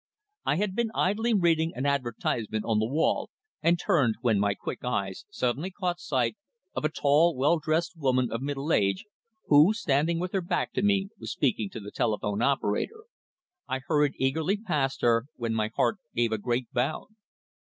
I had been idly reading an advertisement on the wall, and turned, when my quick eyes suddenly caught sight of a tall, well dressed woman of middle age, who, standing with her back to me, was speaking to the telephone operator. I hurried eagerly past her, when my heart gave a great bound.